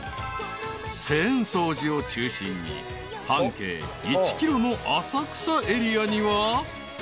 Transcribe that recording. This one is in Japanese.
［浅草寺を中心に半径１ｋｍの浅草エリアには］